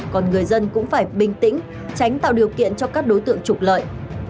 còn người dân cũng phải bình tĩnh tránh tạo điều kiện cho các đối tượng trục lợi